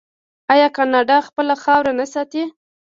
آیا کاناډا خپله خاوره نه ساتي؟